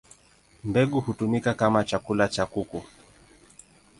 Mbegu hutumika kama chakula cha kuku.